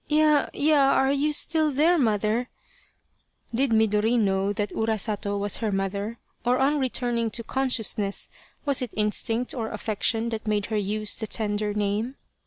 " Ya, ya ! Are you still there, mother ?" Did Midori know that Urasato was her mother, or on returning to consciousness was it instinct or affection that made her use the tender name